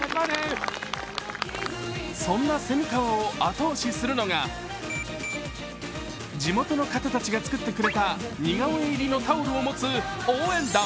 そんな蝉川を後押しするのが地元の方たちが作ってくれた似顔絵入りのタオルを持つ応援団。